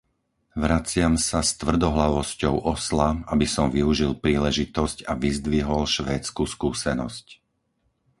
Vraciam sa s tvrdohlavosťou osla, aby som využil príležitosť a vyzdvihol švédsku skúsenosť.